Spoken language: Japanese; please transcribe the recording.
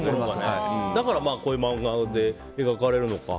だからこういう漫画で描かれるのか。